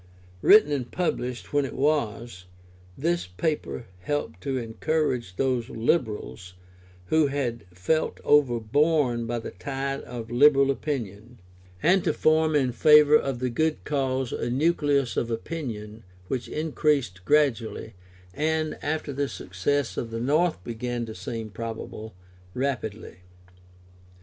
] Written and published when it was, this paper helped to encourage those Liberals who had felt overborne by the tide of illiberal opinion, and to form in favour of the good cause a nucleus of opinion which increased gradually, and, after the success of the North began to seem probable, rapidly.